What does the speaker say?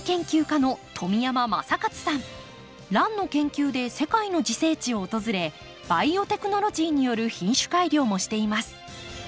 ランの研究で世界の自生地を訪れバイオテクノロジーによる品種改良もしています。